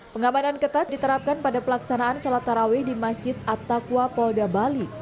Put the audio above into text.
pengamanan ketat diterapkan pada pelaksanaan sholat taraweh di masjid attaqwa polda bali